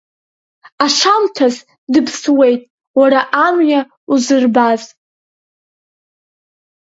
Ашамҭаз дыԥсуеит, уара амҩа узырбаз.